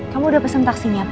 kamu udah pesen taksinya pa